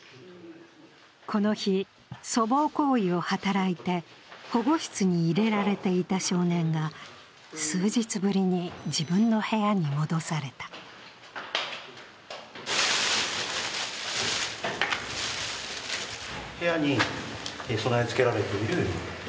この日、粗暴行為を働いて保護室に入れられていた少年が数日ぶりに、自分の部屋に戻された少年は１７歳。